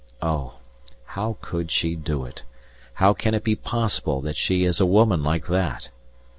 Oh! how could she do it, how can it be possible that she is a woman like that?